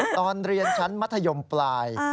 ตอนเรียนชั้นมัธยมปลาย